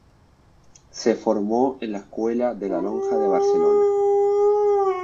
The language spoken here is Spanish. Se formó en la Escuela de la Lonja de Barcelona.